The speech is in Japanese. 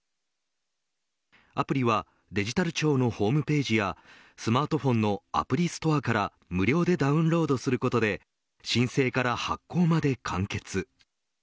アプリはデジタル庁のホームページやスマートフォンのアプリストアから無料でダウンロードすることで申請から発行まで完結。